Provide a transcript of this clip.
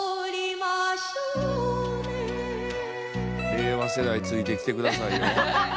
令和世代ついてきてくださいよ。